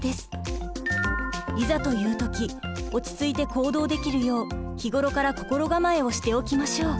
いざという時落ち着いて行動できるよう日頃から心構えをしておきましょう。